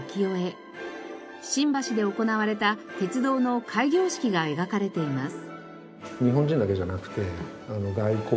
新橋で行われた鉄道の開業式が描かれています。